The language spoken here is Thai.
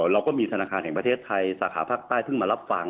เราก็มีธนาคารแห่งประเทศไทยสาขาภาคใต้เพิ่งมารับฟัง